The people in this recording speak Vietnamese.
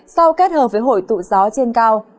sau kết hợp với hội tụ gió trên cao